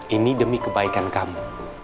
ini demi kebaikan kamu